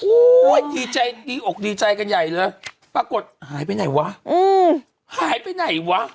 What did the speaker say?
ดีใจดีอกดีใจกันใหญ่เลยปรากฏหายไปไหนวะหายไปไหนวะ